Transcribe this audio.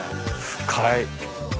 深い。